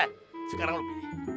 hah sekarang lo pilih